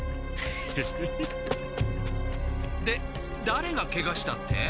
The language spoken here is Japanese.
だれがケガしたって？